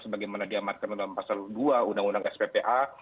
sebagaimana diamatkan dalam pasal dua undang undang sppa